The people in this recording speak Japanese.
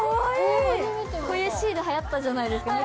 こういうシール流行ったじゃないですか昔。